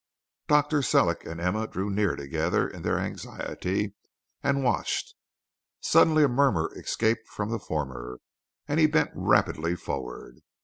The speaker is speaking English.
Dr. Sellick and Emma drew near together in their anxiety and watched. Suddenly a murmur escaped from the former, and he bent rapidly forward.